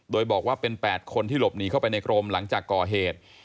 โดยบอกว่าเป็น๘คนที่หลบหนีเข้าไปในกรมหลังจากก่อเหตุ